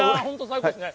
最高ですね。